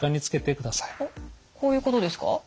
あっこういうことですか？